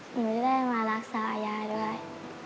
หนูจะได้มารักษายายด้วย